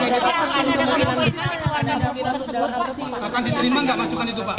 masukan itu yang lain pak